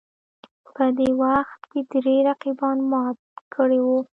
په دې وخت کې درې رقیبان مات کړي وو